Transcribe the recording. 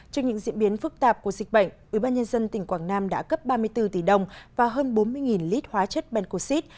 trước những diễn biến phức tạp của dịch bệnh ubnd tỉnh quảng nam đã cấp ba mươi bốn tỷ đồng và hơn bốn mươi lít hóa chất bencoxid